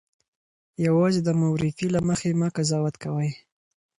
یوازې د مورفي له مخې مه قضاوت کوئ.